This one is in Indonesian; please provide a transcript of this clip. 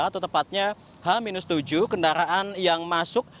atau tepatnya h tujuh kendaraan yang masuk